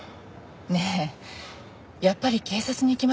ねえやっぱり警察に行きましょう。